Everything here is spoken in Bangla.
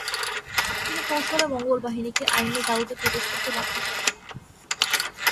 তিনি কৌশলে মঙ্গোল বাহিনীকে আইনে জালুতে প্রবেশ করতে বাধ্য করেন।